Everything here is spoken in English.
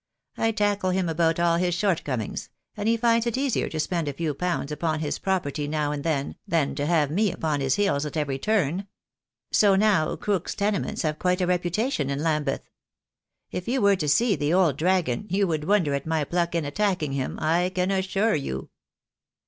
I tackle him about all his shortcomings, and he finds it easier to spend a few pounds upon his property now and then than to have me upon his heels at every turn; so now Crook's tenements have quite a reputation in Lambeth. If you were to see the old dragon you would wonder at my pluck in attacking him, I can assure you."